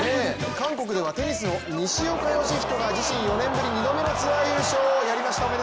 韓国ではテニスの西岡良仁が自身４年ぶり２度目のツアー優勝、やりました！